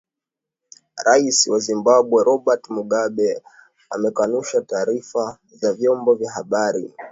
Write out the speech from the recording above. rais wa zimbabwe robert mugabe amekanusha taarifa za vyombo vya habari